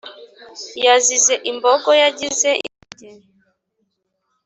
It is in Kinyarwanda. Yazize Imbogo yigize ingunge